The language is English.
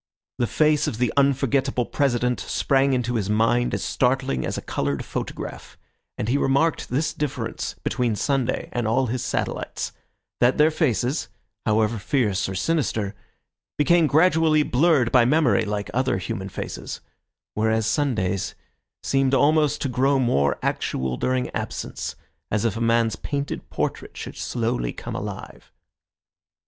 The face of the unforgettable President sprang into his mind as startling as a coloured photograph, and he remarked this difference between Sunday and all his satellites, that their faces, however fierce or sinister, became gradually blurred by memory like other human faces, whereas Sunday's seemed almost to grow more actual during absence, as if a man's painted portrait should slowly come alive.